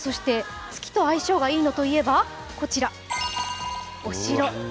月と相性がいいのといえばお城。